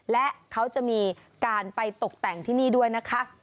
และเขาจะมีการไปตกแต่งที่นี่ด้วยนะคะ